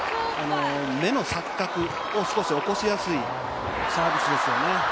目の錯覚を起こしやすいサービスですよね。